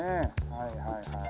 はいはいはい。